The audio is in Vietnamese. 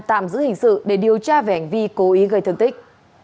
tạm giữ hình sự để điều tra về hành vi cố ý gây thương tích